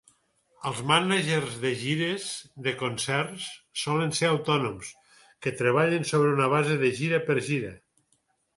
Els mànagers de gires de concerts solen ser autònoms que treballen sobre una base de gira per gira.